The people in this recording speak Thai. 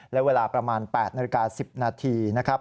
และเวลาประมาณ๘นาฬิกา๑๐นาทีนะครับ